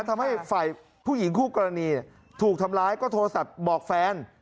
ทำให้ฝ่ายผู้หญิงคู่กรณีถูกทำร้ายก็โทรศัพท์บอกแฟน